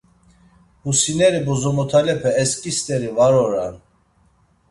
Husineri bozomotalepe esǩi st̆eri var oran.